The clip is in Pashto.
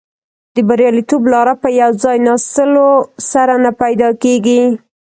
د بریالیتوب لاره په یو ځای ناستلو سره نه پیدا کیږي.